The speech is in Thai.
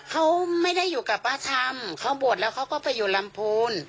เขาไม่ได้อยู่กับป้าธรรมเขาบวชแล้วเขาก็ไปอยู่ลำพูน